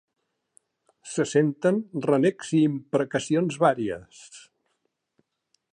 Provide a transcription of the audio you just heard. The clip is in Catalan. Se senten renecs i imprecacions vàries.